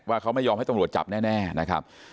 เขาไม่ยอมให้ตำรวจจับแน่นะครับ